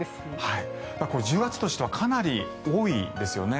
１０月としてはかなり多いですよね。